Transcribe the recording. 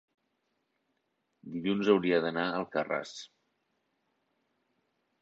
dilluns hauria d'anar a Alcarràs.